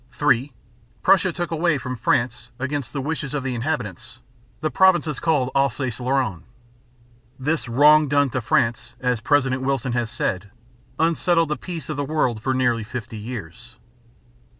(3) Prussia took away from France, against the wishes of the inhabitants, the provinces called Alsace Lorraine. This "wrong done to France," as President Wilson has said, "unsettled the peace of the world for nearly fifty years."